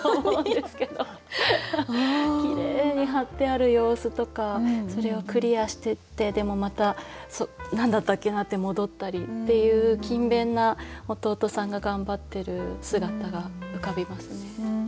きれいに貼ってある様子とかそれをクリアしてってでもまた何だったっけなって戻ったりっていう勤勉な弟さんが頑張ってる姿が浮かびますね。